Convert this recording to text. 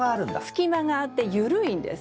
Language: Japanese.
隙間があってゆるいんです。